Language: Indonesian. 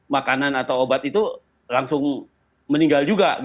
makanan atau obat itu langsung meninggal juga